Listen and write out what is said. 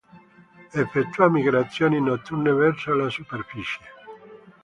Effettua migrazioni notturne verso la superficie.